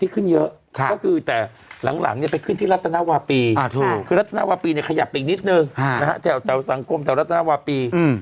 คือรัฐนาวร์ปีขยับไปอีกนิดหนึ่งแถวสังคมแถวรัฐนาวร์ปี